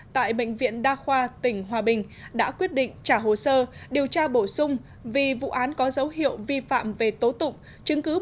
tại bệnh viện đa khoa tỉnh hòa bình đã quyết định trả hồ sơ điều tra bổ sung vì vụ án có dấu hiệu vi phạm về tố tụng